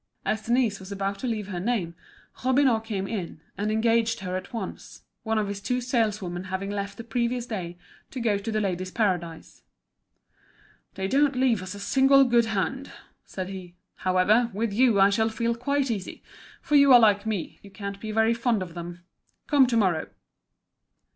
As Denise was about to leave her name Robineau came in, and engaged her at once, one of his two saleswomen having left the previous day to go to The Ladies' Paradise. "They don't leave us a single good hand," said he. "However, with you I shall feel quite easy, for you are like me, you can't be very fond of them. Come to morrow."